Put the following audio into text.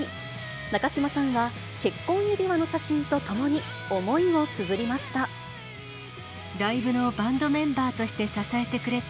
中島さんは、結婚指輪の写真とともに思いをつづりました。